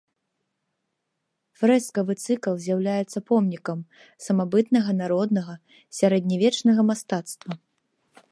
Фрэскавы цыкл з'яўляецца помнікам самабытнага народнага сярэднявечнага мастацтва.